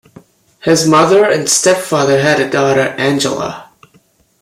His mother and stepfather had a daughter, Angela.